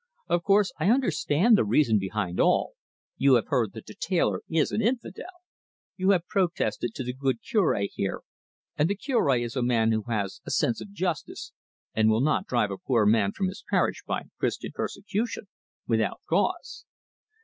"Of course I understand the reason behind all: you have heard that the tailor is an infidel; you have protested to the good Cure here, and the Cure is a man who has a sense of justice, and will not drive a poor man from his parish by Christian persecution without cause.